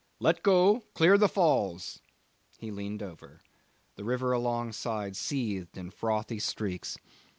'Let go; clear the falls!' He leaned over. The river alongside seethed in frothy streaks.